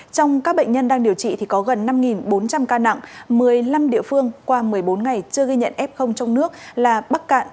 trong các bệnh nhân đang điều trị thì có gần năm bốn trăm linh ca nặng một mươi năm địa phương qua một mươi bốn ngày chưa ghi nhận f trong nước là bắc cạn